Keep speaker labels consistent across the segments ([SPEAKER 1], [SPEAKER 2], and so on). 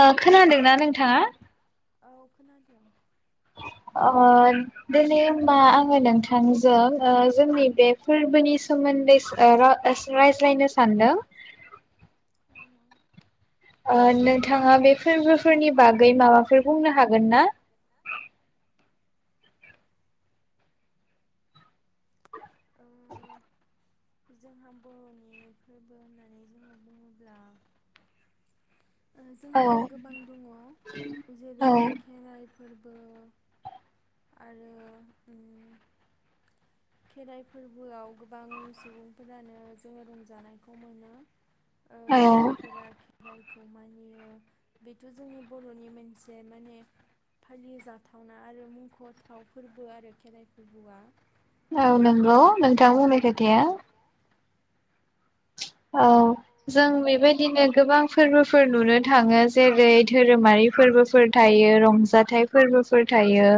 [SPEAKER 1] ओ खोनादोंना नोंथाङा?
[SPEAKER 2] औ खोनादों।
[SPEAKER 1] ओ दिनै होनबा आङो नोंथांजों ओ जोंनि बे फोरबोनि सोमोन्दैसो आ रा-रायज्लायनो सानदों। ओ नोंथाङा बे फोरबोफोरनि बागै माबाफोर बुंनो हागोन ना?
[SPEAKER 2] जोंहा बर'नि फोरबो होननानै जोङो बुङोब्ला जोंहा गोबां दङ जेरै खेराइ फ फोरबो आरो उम खेराइ फोरबोआव गोबां सुबुंफोरानो जोंङो रंजानायखौ मोनो। ओ जायफोरा खेराइ खौ मानियो बेथ' जोंनि बर'नि मोनसे माने फालिजाथावना आरो मुंखथाव फोरबो आरो खेराइ फोरबोआ।
[SPEAKER 1] औ नंगौ नोंथां बुंनाय खोथाया। अ जों बेबायदिनो गोबां फोरबोफोर नुनो थाङो जेरै धोरोमारि फोरबोफोर थायो रंजाथाइ फोरबोफोर थायो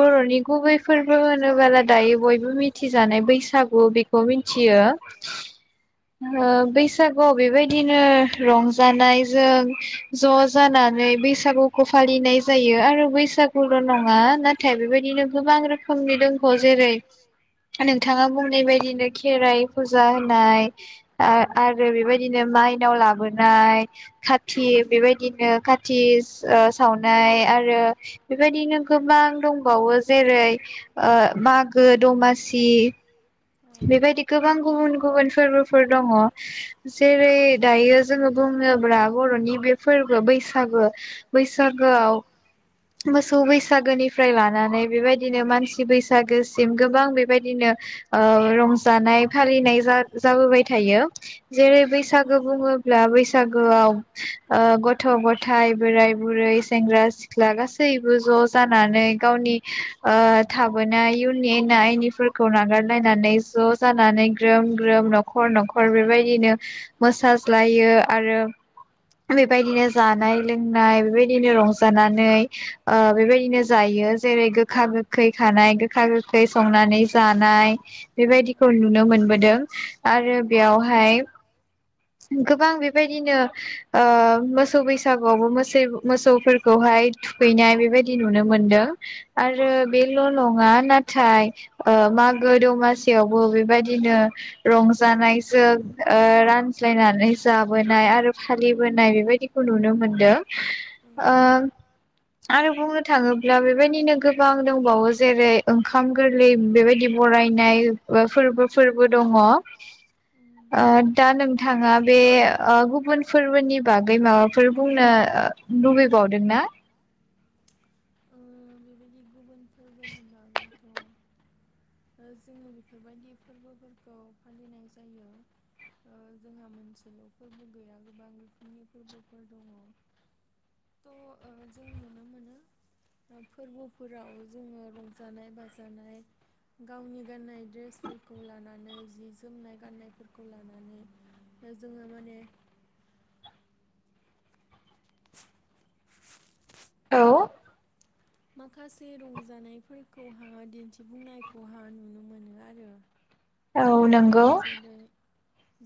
[SPEAKER 1] बर'नि गुबै फोरबो होनोबोला दायो बयबो मिथिजानाय बैसागु बेखौ मिथियो। ओ बैसागुआव बेबायदिनो रंजानायजों ज जानानै बै बैसागुखौ फालिनाय जायो आरो बैसागुल नङा नाथाय बेबायदिनो गोबां रोखोमनि दङो जेरै नोंथाङा बुंनाय बायदिनो खेराइ फुजा होनाय। ओ आरो बेबायदिनो माइनाव लाबोनाय खाथि बेबायदिनो खाथि [unintelligible] सावनाय आरो बेबायदिनो गोबां दंबावो जेरै ओ मागो दमासि बेबायदि गोबां गुबुन गुबुन फोरबोफोर दङ जेरै दायो जोङो बुङोब्ला बरनि बे फोरबो बैसागो बैसागोआव मोसौ बैसागोनिफ्राय लानानै बेबायदिनो मानसि बैस। सागोसिम गोबां बेबायदिनो रंजानाय फालिनाय जाबोबाय थायो जेरै बैसागो बुङोब्ला बैसागोआव ओ गथ' गथायाइ बोराय बुरै सेंग्रा सिख। ख्ला गासैबो ज' जानानै गावनि ओ थाबोनाय नि एना एनिफोरखौ नागारलायनानै ज जानानै ग्रोम ग्रोम न'खर न'खर बेबायदिनो मोसाज्लायो आरो बेबायदिनो जानाय लोंनाय बेबायदिनो रंजानान। बेबायदिनो जायो जेरै गोखा गोखै खानाय गोखा गोखै संनानै जानाय बेबायदिखौ नुनो मोनबोदों आरो बेयावहाय गोबां बेबायदिनो ओ मोसौ बैसागुआवबो मोसे मोसौफोरखौहाय थुखैनाय बेबायदि नुनो मोनदों आरो बेल नङा नाथाय ओ मागो दमासियावबो बेबायदिनो रंजानायजों ओ रान थानैस जाबोनाय आरो फालिबोनाय बेबायदिखौ नुनो मोनदों ओ आरो बुंनो थाङोब्ला बेबायदिनो गोबां दंबावो जेरै ओंखाम गोरलै बेबायदि बरायनाय फोरबोफोरबो दङ ओ दा नों बे ओ गुबुन फोरबोनि बागै माबाफोर बुंनो लुबैबावदोंना?
[SPEAKER 2] ओ बेबायदि गुबुन फोरबोनि बागैथ'ओ जोङो बेफोरबायदि फोरबोफोरखौ फालिनाय जायो ओ जोंहा मोनस ल फोरबो गैया गोबां रोखोमनि फोरबोफोर दङ थ जों नुनो मोनो फोरबोफोराव जोङो रंजानाय बाजानाय गावनि गाननाय ड्रेसफोरखौ लानानै जि जोमनाय गाननायफोरखौ लानानै। जोङो माने
[SPEAKER 1] औ
[SPEAKER 2] माखासे रंजानाय फोरखौहाय दिन्थिफुंनायखौहाय नुनो मोनो आरो
[SPEAKER 1] औ नंगौ।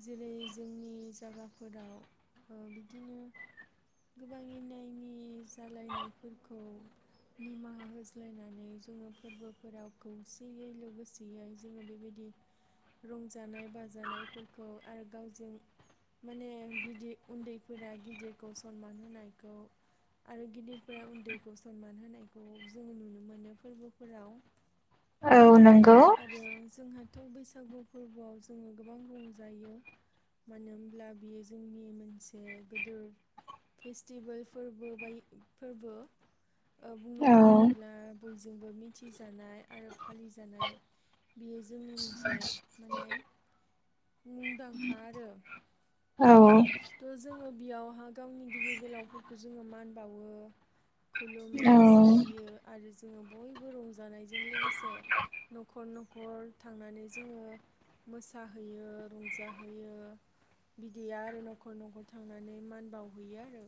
[SPEAKER 2] जेरै जोंनि जगाफोराव बिदिनो गोबां इनानि जालायनायफोरखौ निमाहा होज्लायनानै जोङो फोरबोफोराव खौसेयै लोगोसेयै जोङो बेबायदि। रंजानाय बाजानायफोरखौ आरो गावजों माने गिदिर उन्दैफोरा गिदिरखौ सनमान होनायखौ आरो गिदिरफोरा उन्दैखौ सनमान होनायखौ जों नुनो मोनो फोरबोफोराव। आरो जोंहा। थ बैसागु फोरबोआव जोङो गोबां रंजायो मानो होमब्ला बेयो जोंनि मोनसे गिदोर फेस्टिभेल फोरबो बाय फोरबो। बुंनो थाङोब्ला। बयजोंबो मिथिजानाय आरो फालिजानाय। जोंनि मोनसे माने मुंदांखा आरो थ जोंङो बेयावहा गावनि गिदिर गोलावफोरखौ जोङो मान बावो। खुलुमो सिबियो आरो जों। जोङो बयबो रंजानायजों लोगोसे न'खर न'खर। थांनानै जोङो मोसाहैयो रंजाहोयो बिदिया आरो न'खर न'खर थांनानै मान बावहैयो आरो।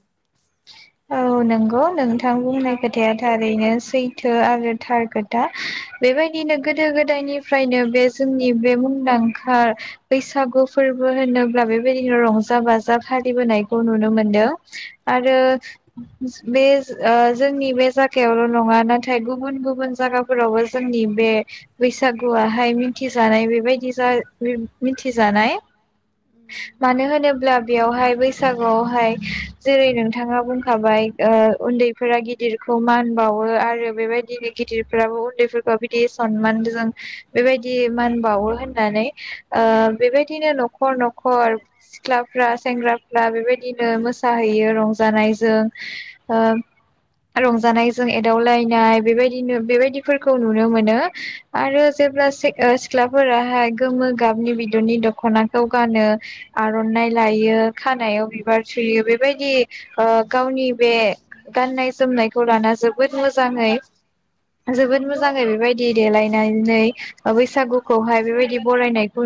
[SPEAKER 1] औ नंगौ नोंथां बुंनाय खोथाया थारैनो सै थो आरो थार खोथा बेबायदिनो गोदो गोदायनिफ्रायनो बे जोंनि बे मुंदांखा बैसागु फोरबो होनोब्ला बेबायदिनो रंजा बाजा फालिबोनायखौ नुनो मोनदों। आरो। बे जोंनि बे जायगायावल नङा नाथाय गुबुन गुबुन जायगाफोरावबो जोंनि बे बैसागुआहाय मिथिजानाय बेबायदि मिथि जानाय। मानो होनोब्ला बेयावहाय बैसागुआवहाय जेरै नोंथाङा बुं उन्दैफोरा गिदिरखौ मान बावो आरो बेबायदिनो गिदिरफोराबो उन्दैफोरखौ बिदि सनमानजों बेबायदि मान बावो होननानै ओ बेबायदिनो नखर नखर सिख्ला फ्रा सेंग्राफ्रा बेबायदिनो मोसाहैयो रंजानाय ओ रंजानायजों एदावलायनाय बेबायदिनो बेबायदिफोरखौ नुनो मोनो आरो जेब्ला सिख्लाफोराहाय गोमो गाबनि बिदरनि दखनाखौ गानो आरनानायइ लायो खानायाव बिबार सुयो बेबायदि गावनि बे गाननाय जोमनायखौ लाना जोबोद मोजाङै जोबोद मोजाङै बेबायदि देलायनानै बैसागुखौहाय बेबायदि बरायनायखौ